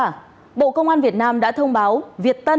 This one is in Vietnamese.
bộ công an việt nam đã thông báo việt tân là một tổ chức khủng bố việt tân